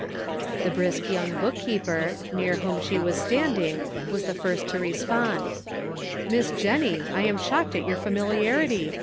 The brisk young book keeper, near whom she was standing, was the first to respond :" Miss Jennie, I am shocked at your fa miliarity